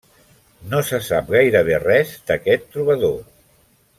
No se sap gairebé res d'aquest trobador.